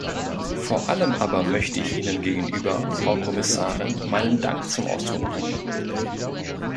Vor allem aber möchte ich Ihnen gegenüber, Frau Kommissarin, meinen Dank zum Ausdruck bringen.